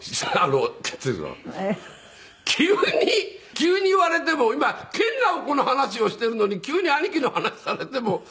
急に言われても今研ナオコの話をしているのに急に兄貴の話されても。